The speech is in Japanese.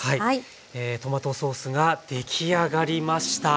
トマトソースが出来上がりました。